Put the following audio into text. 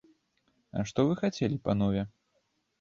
А што вы хацелі, панове?